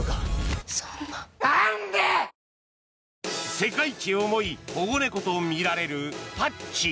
世界一重い保護猫とみられるパッチ。